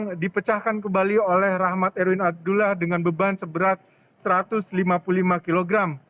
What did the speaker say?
yang dipecahkan kembali oleh rahmat erwin abdullah dengan beban seberat satu ratus lima puluh lima kg